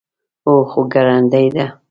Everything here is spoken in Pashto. هو، خو ګړندۍ ده